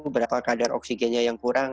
beberapa kadar oksigennya yang kurang